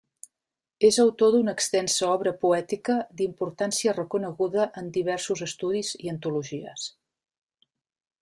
És autor d'una extensa obra poètica d'importància reconeguda en diversos estudis i antologies.